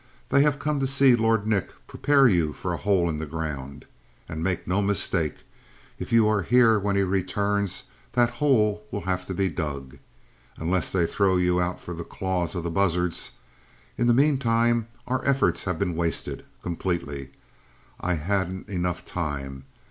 They have come to see Lord Nick prepare you for a hole in the ground. And make no mistake: if you are here when he returns that hole will have to be dug unless they throw you out for the claws of the buzzards. In the meantime, our efforts have been wasted completely. I hadn't enough time.